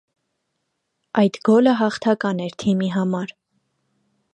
Այդ գոլը հաղթական էր թիմի համար։